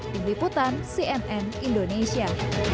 diri putan cnn indonesia